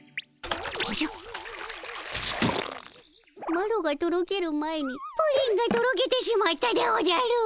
マロがとろける前にプリンがとろけてしまったでおじゃる！